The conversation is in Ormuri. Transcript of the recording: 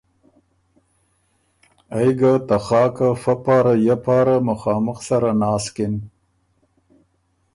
ائ ګه ته خاکه فۀ پاره یۀ پاره مُخامُخ سره ناسکِن۔